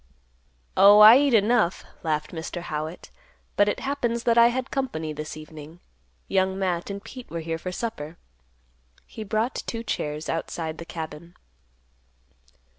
"Oh, I eat enough," laughed Mr. Howitt; "but it happens that I had company this evening. Young Matt and Pete were here for supper." He brought two chairs outside the cabin.